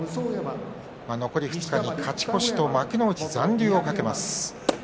残り２日に勝ち越しと幕内残留を懸けます。